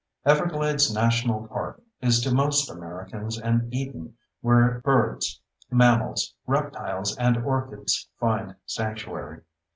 Everglades National Park is to most Americans an Eden where birds, mammals, reptiles, and orchids find sanctuary.